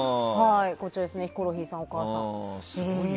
ヒコロヒーさん、お母さん。